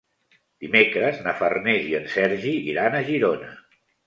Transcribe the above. Dimecres na Farners i en Sergi iran a Girona.